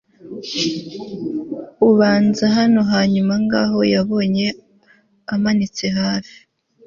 Ubanza hano hanyuma ngaho yabonye amanitse hafi